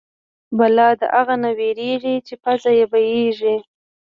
بلا د اغه نه وېرېږي چې پزه يې بيېږي.